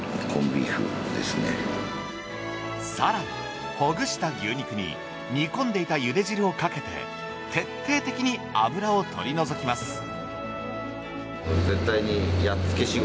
更にほぐした牛肉に煮込んでいた茹で汁をかけて徹底的に脂を取り除きます。